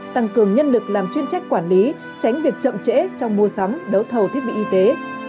tăng cường nhân lực làm chuyên trách quản lý tránh việc chậm trễ trong mua sắm đấu thầu thiết bị y tế